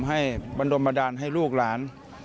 ให้บรรดมดาลให้ลูกหลาน